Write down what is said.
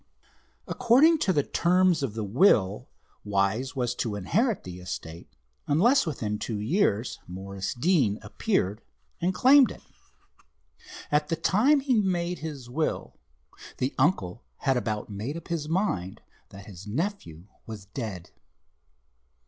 "According to the terms of the will, Wise was to inherit the estate, unless within two years Morris Deane appeared and claimed it. At the time he made his will, the uncle had about made up his mind that his nephew was dead."